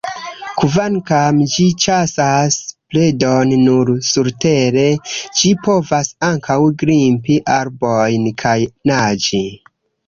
Kvankam ĝi ĉasas predon nur surtere, ĝi povas ankaŭ grimpi arbojn kaj naĝi.